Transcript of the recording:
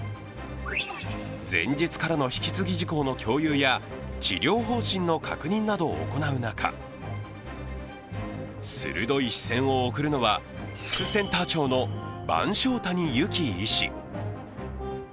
前日からの引き継ぎ事項の共有や治療方針の確認などを行う中、鋭い視線を送るのは副センター長の番匠谷友紀医師。